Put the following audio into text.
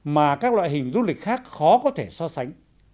mà các loại hình du lịch khác khó có thể so sánh